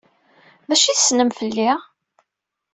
D acu ay tessen fell-i?